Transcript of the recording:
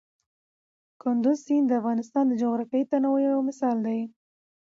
کندز سیند د افغانستان د جغرافیوي تنوع یو مثال دی.